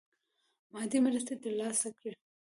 مادي مرستي تر لاسه کړي.